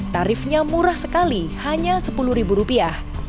tarifnya murah sekali hanya sepuluh ribu rupiah